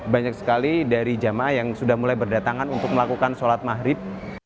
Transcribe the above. banyak sekali dari jamaah yang sudah mulai berdatangan untuk melakukan sholat maghrib